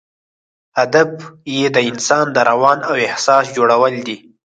هدف یې د انسان د روان او احساس جوړول دي.